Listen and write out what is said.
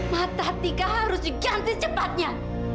mata tika harus diganti secepatnya